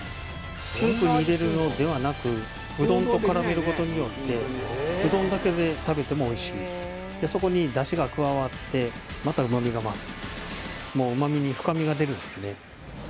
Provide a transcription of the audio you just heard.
スープに入れるのではなくうどんと絡めることによってうどんだけで食べてもおいしいそこに出汁が加わってまた旨味が増すもう旨味に深みが出るんですね